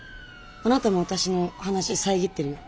あなたも私の話遮ってるよ。